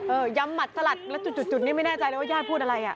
ยำหมัดสลัดแล้วจุดนี้ไม่แน่ใจเลยว่าญาติพูดอะไรอ่ะ